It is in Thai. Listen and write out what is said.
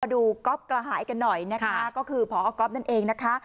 ดูก๊อฟกระหายกันหน่อยนะคะก็คือพอก๊อฟนั่นเองนะคะ